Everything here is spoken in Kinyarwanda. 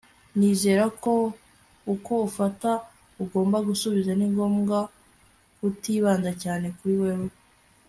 nizera ko uko ufata, ugomba gusubiza. ni ngombwa kutibanda cyane kuri wewe